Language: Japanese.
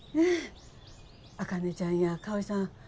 茜ちゃんや香織さん